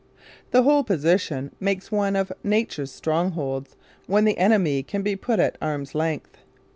The whole position makes one of Nature's strongholds when the enemy can be kept at arm's length.